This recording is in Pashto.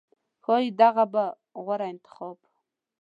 ښایي دغه به و غوره انتخاب